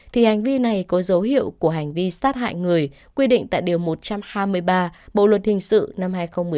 thì hành vi này có dấu hiệu của hành vi sát hại người quy định tại điều một trăm hai mươi ba bộ luật hình sự năm hai nghìn một mươi năm